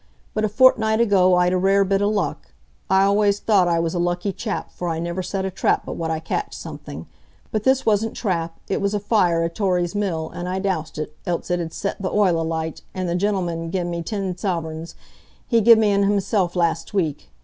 But a fortni't ago I'd a rare bit o' luck,—I allays thought I was a lucky chap, for I niver set a trap but what I catched something; but this wasn't trap, it was a fire i' Torry's mill, an' I doused it, else it 'ud set th' oil alight, an' the genelman gen me ten suvreigns; he gen me 'em himself last week.